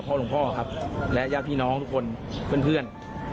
พ่อหลวงพ่อครับและยาขีน้องทุกคนเพื่อน